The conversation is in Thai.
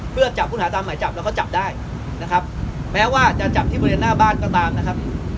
เพื่อจับผู้ต้องหาตามหมายจับแล้วก็จับได้นะครับแม้ว่าจะจับที่บริเวณหน้าบ้านก็ตามนะครับ